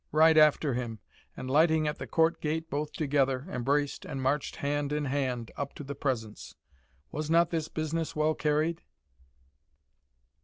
Ride after him, and, lighting at the court gate both together, embraced, and marched hand in hand up into the presence. Was not this business well carried?